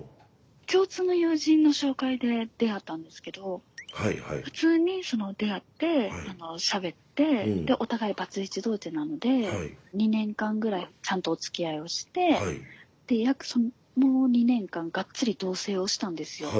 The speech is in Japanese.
共通の友人の紹介で出会ったんですけど普通に出会ってしゃべってでお互いバツイチ同士なので２年間ぐらいちゃんとおつきあいをしてで約その２年間がっつり同せいをしたんですよ。